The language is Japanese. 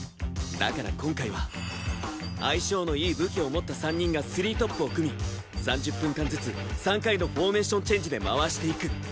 だから今回は相性のいい武器を持った３人がスリートップを組み３０分間ずつ３回のフォーメーションチェンジで回していく。